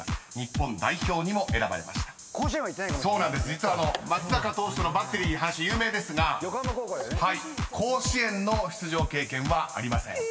［実は松坂投手とのバッテリーの話有名ですが甲子園の出場経験はありません］